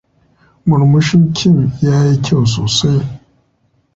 Murmushin Kim yayi kyau sosai.